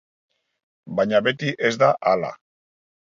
Baina beti ez da hala.